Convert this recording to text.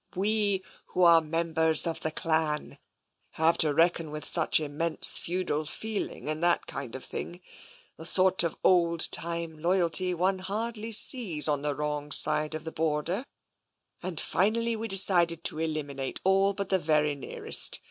We, who are members of the Clan, have to reckon with such immense feudal feeling and that kind of thing — the sort of old time loyalty one hardly sees on the wrong side of the Bor ft 200 TENSION der — and finally we decided to eliminate all but the very nearest.